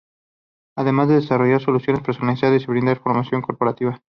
Además de desarrollar soluciones personalizadas y brindar formación corporativa.